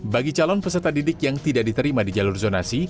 bagi calon peserta didik yang tidak diterima di jalur zonasi